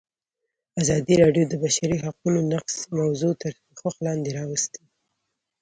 ازادي راډیو د د بشري حقونو نقض موضوع تر پوښښ لاندې راوستې.